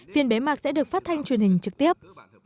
phiên bế mạc sẽ được phát thanh truyền hình trực tiếp